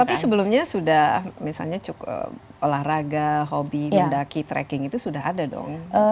tapi sebelumnya sudah misalnya cukup olahraga hobi mendaki tracking itu sudah ada dong